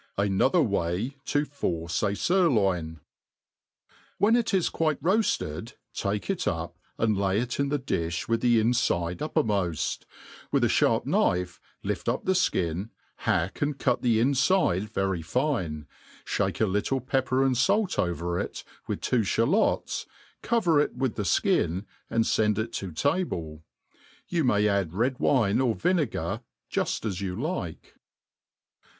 • Another way fa force a Sirloin t, WHEN it is quite roafled, take it up, and lay it in the difh with the ixifide uppermoft ; with a (harp knife life up the fkin, hack and cut the infide very fine, fhake a little pepper and ifalc over it, with two (balots, cover it with the ftin^ and feitd it to table. You may ad^ red wine or vinegar, jufl as you tike.